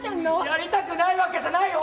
やりたくないわけじゃないよ